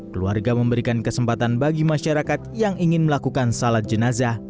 keluarga memberikan kesempatan bagi masyarakat yang ingin melakukan salat jenazah